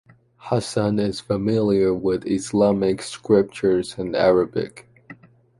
Hasan is familiar with Islamic scriptures and Arabic.